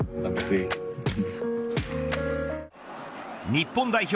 日本代表